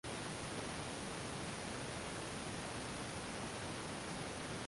しかるに常識は問いのない然りであり、